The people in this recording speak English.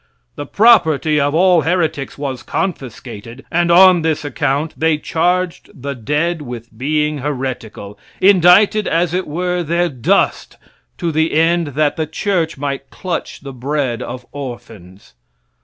The property of all heretics was confiscated, and on this account they charged the dead with being heretical indicted, as it were, their dust to the end that the church might clutch the bread of orphans.